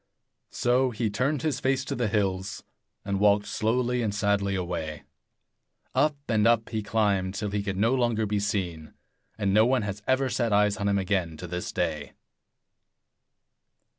So he turned his face to the hills, and walked slowly and sadly away. Up and up he climbed, till he could no longer be seen ; and no one has ever set eyes on him again to this day.